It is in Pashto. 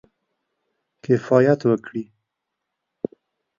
کفایت وکړي.